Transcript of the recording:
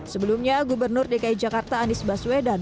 sebelumnya gubernur dki jakarta anies baswedan